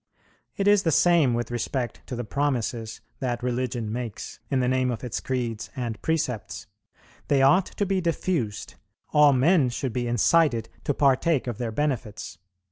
It is the same with respect to the promises that religion makes, in the name of its creeds and precepts; they ought to be diffused; all men should be incited to partake of their benefits.